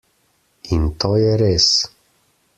In to je res.